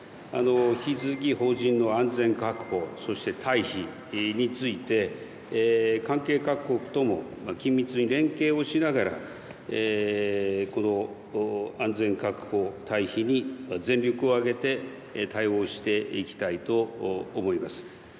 引き続き邦人の安全確保、そして退避について関係各国とも緊密に連携をしながらこの安全確保、退避に全力を挙げて対応していきたいと思っています。